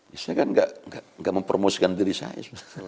biasanya kan enggak mempromosikan diri saya